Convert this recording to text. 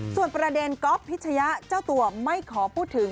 ส่วนประเด็นก๊อบนิวประโยชน์พิชาเจ้าตัวไม่ขอพูดถึง